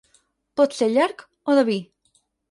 Pot ser llarg o de vi.